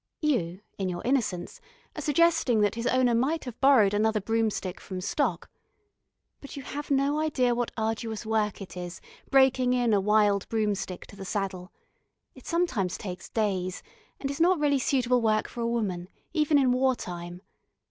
You, in your innocence, are suggesting that his owner might have borrowed another broomstick from stock. But you have no idea what arduous work it is, breaking in a wild broomstick to the saddle. It sometimes takes days, and is not really suitable work for a woman, even in war time.